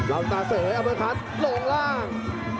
ลาวสตาเสยอเบอร์พัทลงล่าง